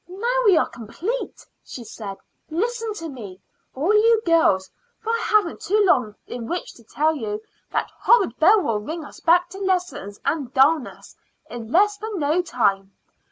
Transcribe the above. "Now we are complete," she said. "Listen to me, all you girls, for I haven't too long in which to tell you; that horrid bell will ring us back to lessons and dullness in less than no time.